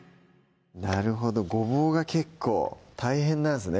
なるほどごぼうが結構大変なんですね